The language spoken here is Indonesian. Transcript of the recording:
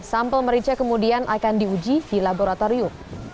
sampel merica kemudian akan diuji di laboratorium